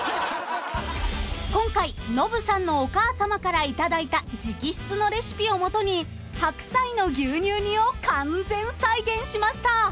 ［今回ノブさんのお母さまから頂いた直筆のレシピをもとに白菜の牛乳煮を完全再現しました］